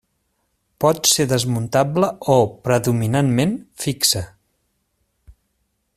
Pot ser desmuntable o, predominantment, fixa.